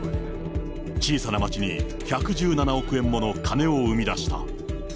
小さな町に１１７億円もの金を生み出した。